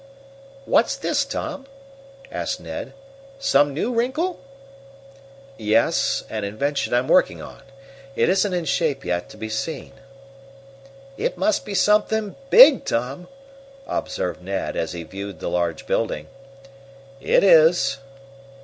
"What's this, Tom?" asked Ned. "Some new wrinkle?" "Yes, an invention I'm working on. It isn't in shape yet to be seen." "It must be something big, Tom," observed Ned, as he viewed the large building. "It is."